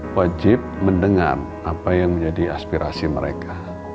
wajib mendengar apa yang menjadi aspirasi mereka